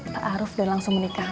pak aruf dan langsung menikah